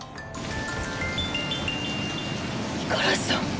五十嵐さん。